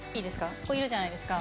ここいるじゃないですか。